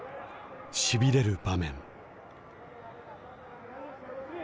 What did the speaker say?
しびれる場面。